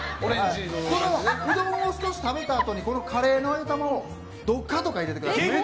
うどんを少し食べたあとにこのカレーの揚げ玉をどかどか入れてください。